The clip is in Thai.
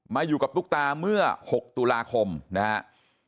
อยู่กับตุ๊กตาเมื่อ๖ตุลาคมนะครับ